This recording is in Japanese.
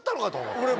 俺も。